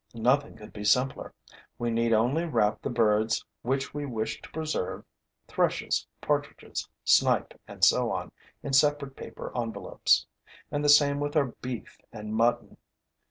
Nothing could be simpler. We need only wrap the birds which we wish to preserve thrushes, partridges, snipe and so on in separate paper envelopes; and the same with our beef and mutton.